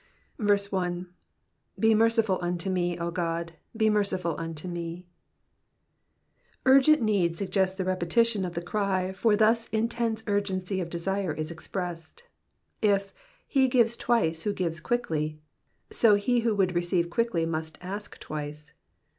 1. *^^Be mercijul unto mty 0 Gody he mere\ful unto *W€." Urgent need suggests the repetition of the cry, for thus intense urgency of desire is expressed. If * he gives twice who gives quickly,' so he who would receive quickly must ask twice.